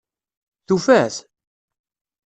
Tufa-t?